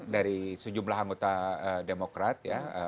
dari sejumlah anggota demokrat